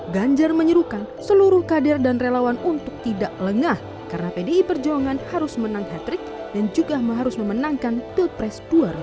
ganjar menyerukan seluruh kader dan relawan untuk tidak lengah karena pdi perjuangan harus menang hat trick dan juga harus memenangkan pilpres dua ribu sembilan belas